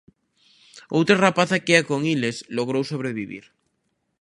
Outra rapaza que ía con eles, logrou sobrevivir.